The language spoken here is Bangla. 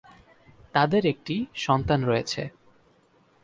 তাদের একটি সন্তান রয়েছে।